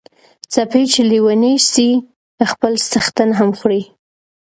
سپي چی لیوني سی خپل څښتن هم خوري .